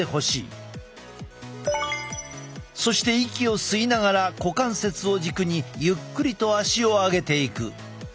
そして息を吸いながら股関節を軸にゆっくりと足を上げていく。